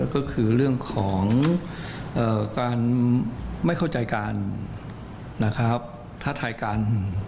ก็คือเรื่องของการไม่เข้าใจกันนะครับท้าทายกัน